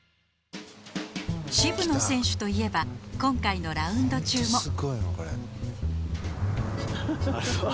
渋野選手といえば今回のラウンド中も。